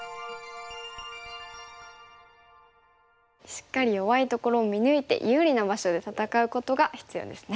しっかり弱いところを見抜いて有利な場所で戦うことが必要ですね。